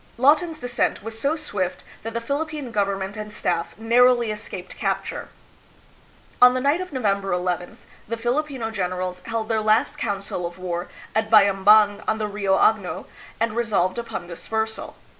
Lawton's descent was so swift that the Philip pine government and staff narrowly escaped capture. On the night of November llth, the Filipino generals held their last council of war at Bayambang on the Rio Agno, and resolved upon dispersal.